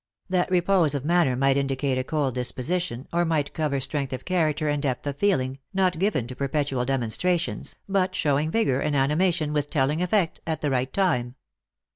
That repose of manner might indicate a cold disposition, or might cover strength of character and depth of feeling, not given to perpetual demonstrations, but showing vigor and animation, with telling effect, at the right time.